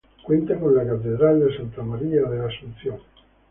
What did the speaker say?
Cuenta con la catedral de Santa María de la Asunción.